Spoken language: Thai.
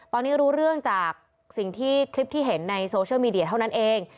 ตอนนี้รู้เรื่องจากสิ่งที่คลิปที่เห็นในโซเชียลมีเดียเท่านั้นเอง